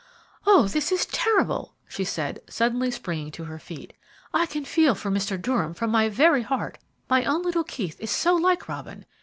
"Oh, this is terrible!" she said, suddenly springing to her feet. "I can feel for Mr. Durham from my very heart. My own little Keith is so like Robin.